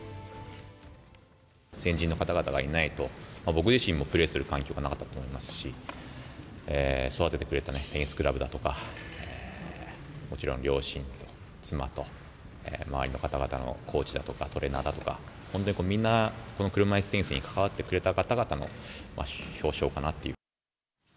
先人の方々がいないと、僕自身もプレーする環境がなかったと思いますし、育ててくれたテニスクラブだとか、もちろん両親と妻と、周りの方々のコーチだとかトレーナーだとか、本当にみんな、この車いすテニスに関わってくれた方々の表彰かなっていう。